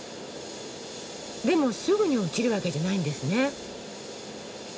でもすぐに落ちるわけじゃないんですね。